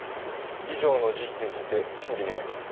以上の事実について審理願います。